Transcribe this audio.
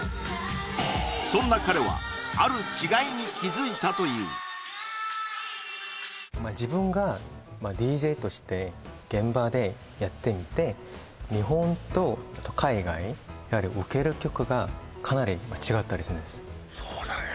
そんな彼はある違いに気づいたというまあ自分がＤＪとして現場でやってみて日本と海外やはりウケる曲がかなり違ったりするんですそうだね